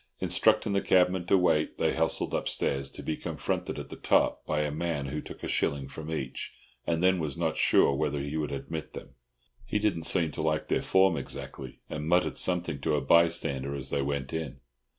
Instructing the cabman to wait, they hustled upstairs, to be confronted at the top by a man who took a shilling from each, and then was not sure whether he would admit them. He didn't seem to like their form exactly, and muttered something to a by stander as they went in.